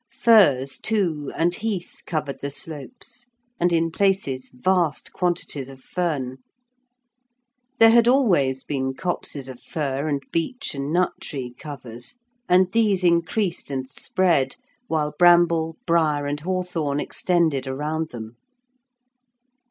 Furze, too, and heath covered the slopes, and in places vast quantities of fern. There had always been copses of fir and beech and nut tree covers, and these increased and spread, while bramble, briar, and hawthorn extended around them.